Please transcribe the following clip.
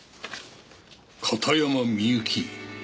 「片山みゆき」。